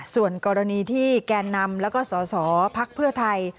ส่วนกรณีที่แกนนำและก็สศภพรภไทย